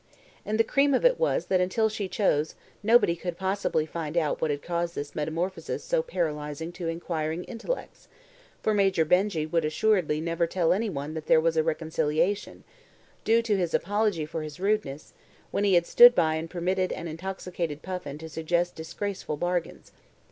And the cream of it was that until she chose, nobody could possibly find out what had caused this metamorphosis so paralysing to inquiring intellects, for Major Benjy would assuredly never tell anyone that there was a reconciliation, due to his apology for his rudeness, when he had stood by and permitted an intoxicated Puffin to suggest disgraceful bargains.